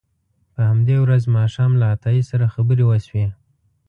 په همدې ورځ ماښام له عطایي سره خبرې وشوې.